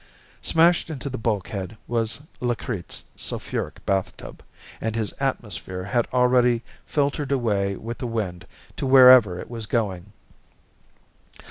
Smashed into the bulkhead was Lakrit's sulphuric bathtub, and his atmosphere had already filtered away with the wind to wherever it was going.